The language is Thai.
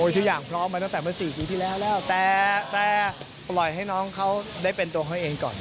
ทุกอย่างพร้อมมาตั้งแต่เมื่อ๔ปีที่แล้วแล้วแต่ปล่อยให้น้องเขาได้เป็นตัวเขาเองก่อน